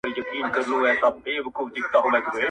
• د نجلۍ چيغې فضا ډکوي او د کور هر غړی اغېزمنوي,